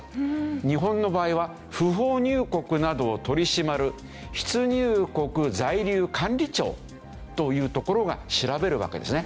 日本の場合は不法入国などを取り締まる出入国在留管理庁という所が調べるわけですね。